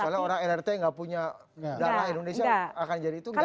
soalnya orang rrc yang gak punya darah indonesia akan jadi itu gak gitu ya